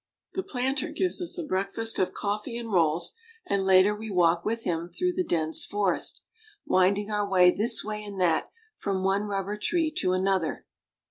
The planter gives us a breakfast of coffee and rolls, and later we walk with him through the dense forest, winding our way this way and that from one rubber tree to another.